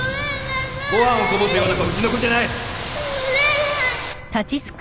ご飯をこぼすような子はうちの子じゃない！